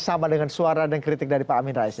sama dengan suara dan kritik dari pak amin rais